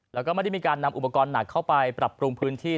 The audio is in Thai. แล้วก็ไม่ได้มีการนำอุปกรณ์หนักเข้าไปปรับปรุงพื้นที่